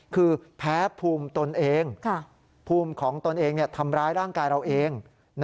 คือแพ้ภูมิตนเองภูมิของตนเองทำร้ายร่างกายเราเอง